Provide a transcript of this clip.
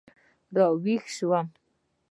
را ویښ شوم.